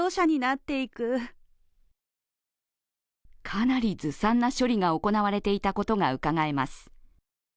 かなりずさんな処理が行われていたことがうかがえます。